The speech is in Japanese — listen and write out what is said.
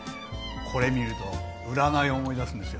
これ見ると占い思い出すんですよ。